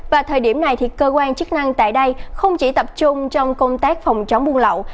và thời điểm này cơ quan chức năng tại đây không chỉ tập trung trong công tác phòng chống buôn lậu